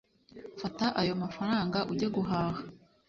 fata ayo mafaranganga ujye guhaha